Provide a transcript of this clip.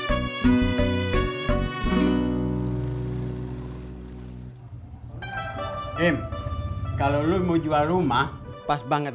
amin kalau lu mau jual rumah pas banget